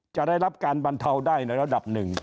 จะได้รับการบรรเทาได้ในระดับหนึ่ง